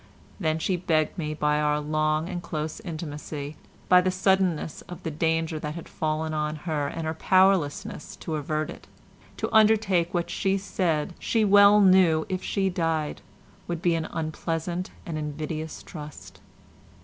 Then she begged me by our long and close intimacy, by the suddenness of the danger that had fallen on her and her powerlessness to avert it, to undertake what she said she well knew, if she died, would be an unpleasant and invidious trust.